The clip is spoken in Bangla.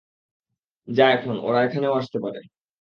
যা এখন, ওরা এখানেও আসতে পারে।